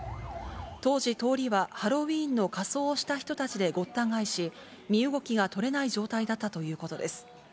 当時、通りはハロウィーンの仮装をした人たちでごった返し、身動きが取れない状態だったということです。